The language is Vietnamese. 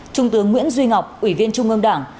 trung tướng nguyễn duy ngọc ủy viên trung ương đảng